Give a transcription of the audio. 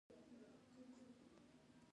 افغانستان کې ننګرهار د خلکو د خوښې وړ ځای دی.